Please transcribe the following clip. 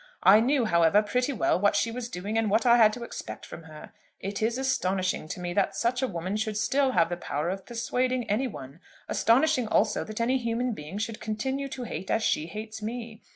I knew, however, pretty well what she was doing and what I had to expect from her. It is astonishing to me that such a woman should still have the power of persuading any one, astonishing also that any human being should continue to hate as she hates me.